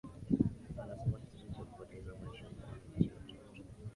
amesema kitendo cha kupoteza maisha kwa wananchi watatu